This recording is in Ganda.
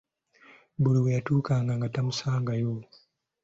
Buli we yatuukanga nga tamusaga wo..